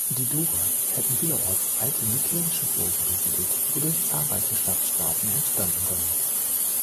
Die Dorer hätten vielerorts alte mykenische Burgen besiedelt, wodurch zahlreiche Stadtstaaten entstanden seien.